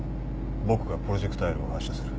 僕がプロジェクタイルを発射する。